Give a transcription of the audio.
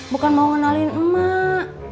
bukan mau ngenalin emak